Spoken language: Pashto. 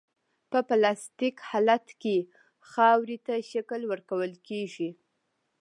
په پلاستیک حالت کې خاورې ته شکل ورکول کیږي